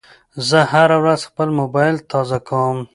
زه هره ورځ خپل موبایل تازه کوم.